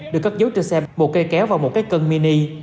được cắt dấu trên xe bộ cây kéo vào một cái cân mini